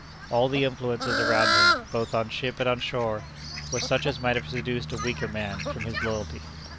All the influences around him, both on ship and on shore, were such as might have seduced a weaker man from his loyalty.